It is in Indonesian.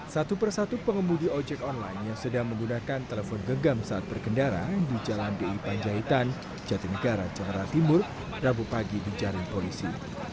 satu persatu pengemudi ojek online yang sedang menggunakan telepon genggam saat berkendara di jalan di panjaitan jatinegara jakarta timur rabu pagi di jaring polisi